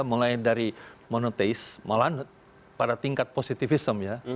mulai dari monotheis malahan pada tingkat positifisem